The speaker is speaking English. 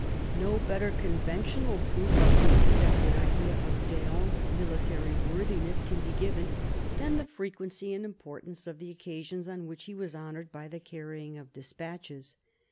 No better conventional proof of the accepted idea of d'Eon's military worthiness can be given than the frequency and importance of the occasions on which he was honoured by the carrying of despatches.